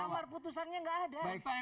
amar putusannya nggak ada